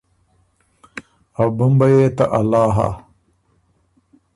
ا بُمبه يې ته الله هۀ۔